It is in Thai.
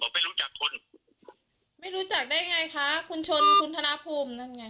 ไม่รู้จักได้ไงค่ะคุณชนคุณธนภูมินั่นไง